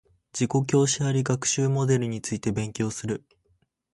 自己教師あり学習モデルについて勉強する